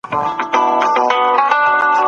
هنګامه